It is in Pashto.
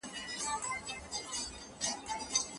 د څېړني اصول باید په پوره ډول مراعت سي.